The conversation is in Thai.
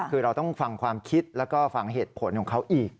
คือเราต้องฟังความคิดแล้วก็ฟังเหตุผลของเขาอีก